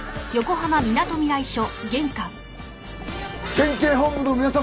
県警本部の皆様。